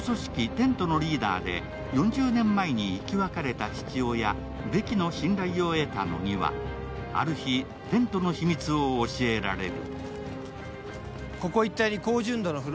・テントのリーダーで４０年前に生き別れた父親・ベキの信頼を得た乃木はある日、テントの秘密を教えられる。